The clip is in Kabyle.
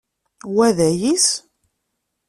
Wa d ayis?